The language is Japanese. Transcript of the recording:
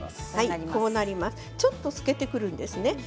ちょっと透けてくるんですね。